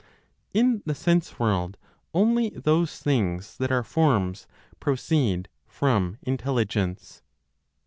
IN THE SENSE WORLD ONLY THOSE THINGS THAT ARE FORMS PROCEED FROM INTELLIGENCE.